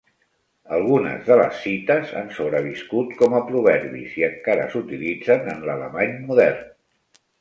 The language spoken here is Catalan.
Algunes de les cites han sobreviscut com a proverbis i encara s'utilitzen en l'alemany modern.